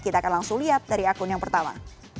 kita akan langsung lihat dari akun yang pertama